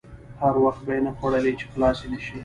هر وخت به یې نه خوړلې چې خلاصې نه شي.